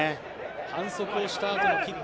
反則をしたあとのキック。